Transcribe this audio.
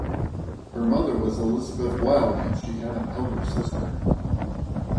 Her mother was Elizabeth Wild and she had an elder sister.